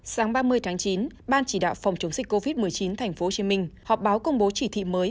sáng ba mươi tháng chín ban chỉ đạo phòng chống dịch covid một mươi chín tp hcm họp báo công bố chỉ thị mới